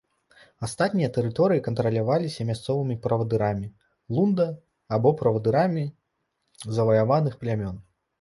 Астатнія тэрыторыі кантраляваліся мясцовымі правадырамі лунда або правадырамі заваяваных плямён.